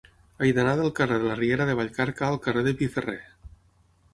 He d'anar del carrer de la Riera de Vallcarca al carrer de Piferrer.